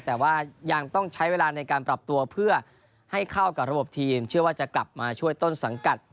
แต่ว่ายังต้องใช้เวลาในการปรับตัวเพื่อให้เข้ากับระบบทีมเชื่อว่าจะกลับมาช่วยต้นสังกัด